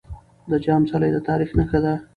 د جام څلی د تاريخ نښه ده.